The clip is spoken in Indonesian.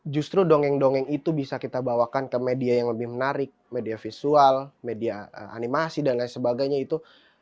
justru dongeng dongeng itu bisa kita bawakan ke media yang lebih menarik media visual media animasi dan lain sebagainya itu